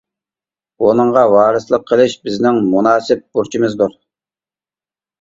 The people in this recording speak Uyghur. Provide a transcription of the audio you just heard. بۇنىڭغا ۋارىسلىق قىلىش بىزنىڭ مۇناسىپ بۇرچىمىزدۇر.